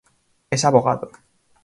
Es abogado.